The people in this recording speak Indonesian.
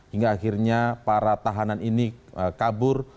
hingga akhirnya para tahanan ini kabur